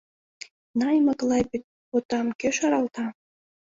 Наймык-лай потам кӧ шаралта?